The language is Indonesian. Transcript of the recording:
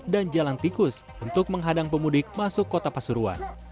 dan jalan tikus untuk menghadang pemudik masuk kota pasuruan